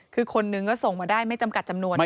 คือคนนึงก็ส่งมาได้ไม่จำกัดจำนวน